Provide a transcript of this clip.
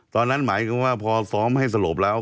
ตอนนั้นหมายความว่าพอฟ้องให้สลบแล้ว